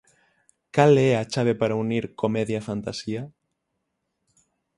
Cal é a chave para unir comedia e fantasía?